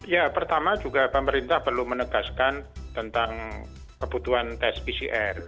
ya pertama juga pemerintah perlu menegaskan tentang kebutuhan tes pcr